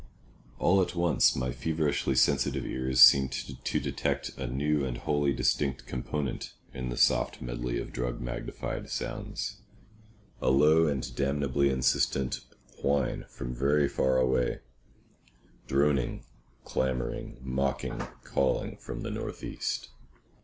All at once my feverishly sensitive ears seemed to detect a new and wholly distinct component in the soft medley of drug magnified sounds—a low and damnably insistent whine from very far away; droning, clamouring, mocking, calling, from the northeast.